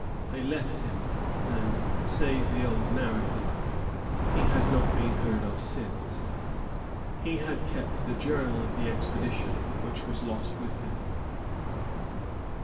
They left him, and, says the old narrative, "he has not been heard of since." He had kept the journal of the expedition, which was lost with him.